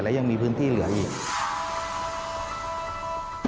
และยังมีพื้นที่เหลืออีก